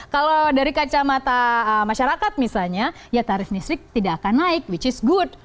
kalau dari kacamata masyarakat misalnya ya tarif listrik tidak akan naik which is good